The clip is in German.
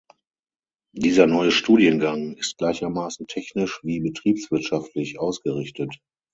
Dieser neue Studiengang ist gleichermaßen technisch wie betriebswirtschaftlich ausgerichtet.